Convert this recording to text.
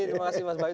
terima kasih mas bayu